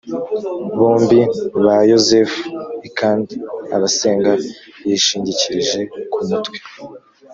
bombi ba yozefu i kandi agasenga yishingikirije ku mutwe